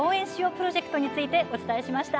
プロジェクトについてお伝えしました。